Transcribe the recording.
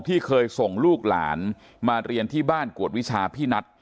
ที่เคยส่งลูกหลานมาเรียนที่บ้านกวดวิชาพี่นัท